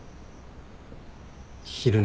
昼寝。